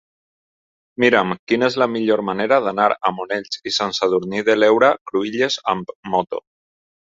Mira'm quina és la millor manera d'anar a Monells i Sant Sadurní de l'Heura Cruïlles amb moto.